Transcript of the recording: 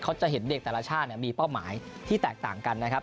จะเห็นเด็กแต่ละชาติมีเป้าหมายที่แตกต่างกันนะครับ